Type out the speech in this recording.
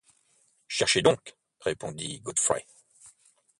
Cherchons donc, » répondit Godfrey.